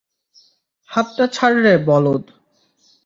হাতটা ছাড় রে, বলদ।